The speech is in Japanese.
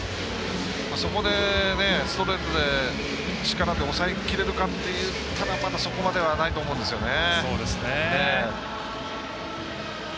そこでストレートで力で抑えきれるかっていったらまだそこまではないと思うんですよね。